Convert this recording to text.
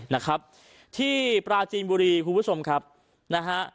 นะครับที่ปราจีนบุรีคุณผู้ชมครับนะฮะ